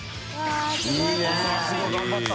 いい諭すごい頑張った！